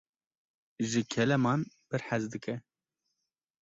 Ji keleman pir hez dike.